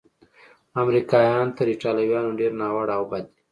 امریکایان تر ایټالویانو ډېر ناوړه او بد دي.